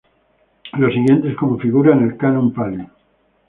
Lo siguiente es como figura en el Canon Pali.